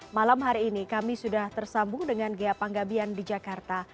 malam hari ini kami sudah tersambung dengan ghea panggabian di jakarta